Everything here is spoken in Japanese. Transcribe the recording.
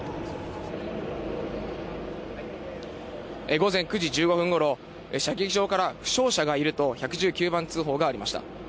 午前９時１５分頃、射撃場から負傷者がいると１１９番通報がありました。